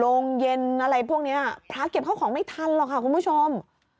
โรงเย็นอะไรพวกนี้พระเก็บเข้าของไม่ทันหรอกค่ะคุณผู้ชม